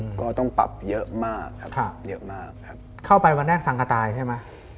ก็ต้องปรับเยอะมากครับเยอะมากครับเข้าไปวันแรกสังกระต่ายใช่ไหม